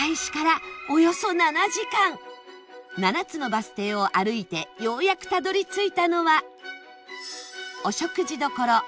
７つのバス停を歩いてようやくたどり着いたのは